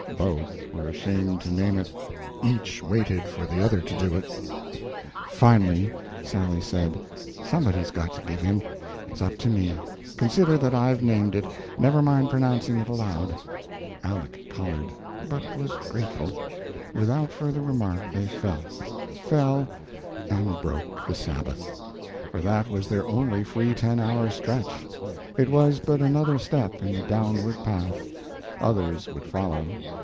Both were ashamed to name it; each waited for the other to do it. Finally Sally said: "Somebody's got to give in. It's up to me. Consider that I've named it never mind pronouncing it out aloud." Aleck colored, but was grateful. Without further remark, they fell. Fell, and broke the Sabbath. For that was their only free ten hour stretch. It was but another step in the downward path. Others would follow.